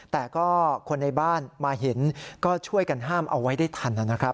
แต่ก็คนในบ้านมาเห็นก็ช่วยกันห้ามเอาไว้ได้ทันนะครับ